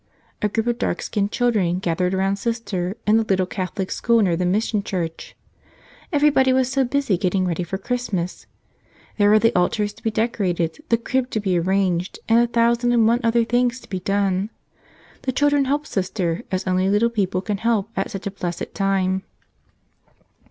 A group of dark skinned children gathered round Sister in the little Catholic school near the mission church. Everybody was so busy getting ready for Christmas ! There were the altars to be decorated, the crib to be arranged, and a thousand and one other things to be done. The chil¬ dren helped Sister as only little people can help at such a blessed time.